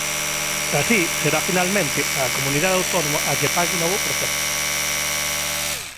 Así, será finalmente a comunidade autónoma a que pague o novo precepto.